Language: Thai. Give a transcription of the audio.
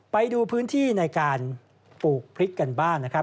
ไปดูพื้นที่ในการปลูกพริกกันบ้างนะครับ